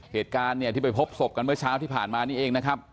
เหตุการณ์เนี่ยที่ไปพบศพกันเมื่อเช้าที่ผ่านมานี่เองนะครับ